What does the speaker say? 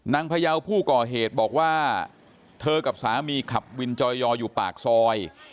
พยาวผู้ก่อเหตุบอกว่าเธอกับสามีขับวินจอยออยู่ปากซอย